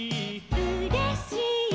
「うれしい！」